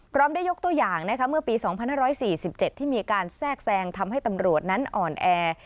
ได้ยกตัวอย่างเมื่อปี๒๕๔๗ที่มีการแทรกแซงทำให้ตำรวจนั้นอ่อนแอ